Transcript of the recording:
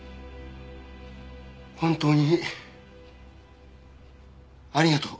本当にありがとう。